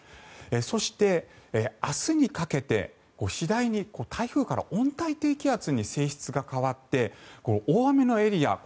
そして、明日にかけて次第に台風から温帯低気圧に性質が変わって大雨のエリア